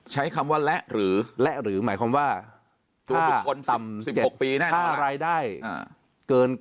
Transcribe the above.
ใช้คำว่าและหรือและหรือหมายความว่าถ้ารายได้เกิน